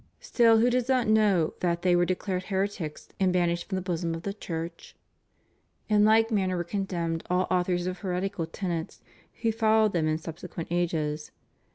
Still who does not know that they were declared heretics and banished from the bosom of the Church? In like manner were con demned all authors of heretical tenets who followed them in subsequent ages.